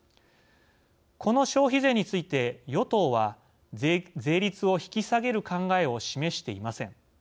この消費税について与党は税率を引き下げる考えを示していません。